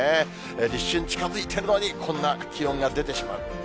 立春近づいてるのに、こんな気温が出てしまう。